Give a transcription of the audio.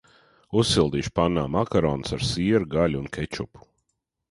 Uzsildīšu pannā makaronus ar sieru, gaļu un kečupu.